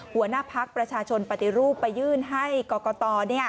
หัวหน้าพักประชาชนปฏิรูปไปยื่นให้กรกต